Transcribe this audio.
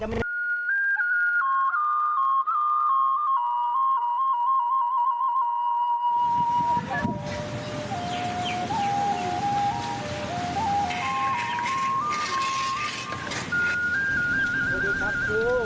มาไงกันเลยลูก